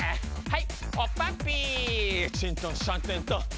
はい！